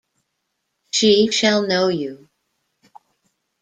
She shall know you.